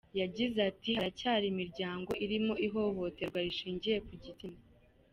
Yagize ati “Haracyari imiryango irimo ihohoterwa rishingiye ku gitsina.